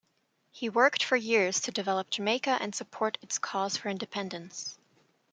He worked for years to develop Jamaica and support its cause for independence.